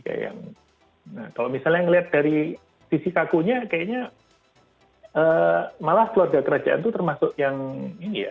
kalau misalnya ngelihat dari sisi kakunya kayaknya malah keluarga kerajaan itu termasuk yang ini ya